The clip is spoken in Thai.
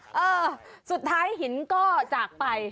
เออสุดท้ายหินก็จากไป